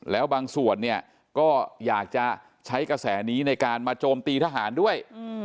แล้วบางส่วนเนี่ยก็อยากจะใช้กระแสนี้ในการมาโจมตีทหารด้วย